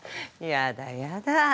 やだやだ